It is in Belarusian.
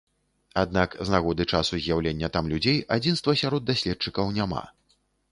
Аднак з нагоды часу з'яўлення там людзей адзінства сярод даследчыкаў няма.